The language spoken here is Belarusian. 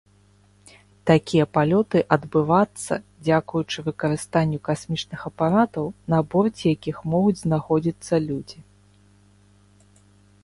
Такія палёты адбывацца, дзякуючы выкарыстанню касмічных апаратаў, на борце якіх могуць знаходзіцца людзі.